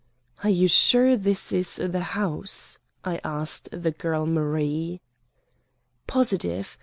"Are you sure this is the house?" I asked the girl Marie. "Positive.